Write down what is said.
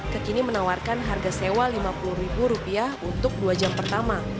kekini menawarkan harga sewa lima puluh ribu rupiah untuk dua jam pertama